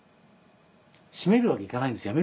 やめるわけいかないんですよ。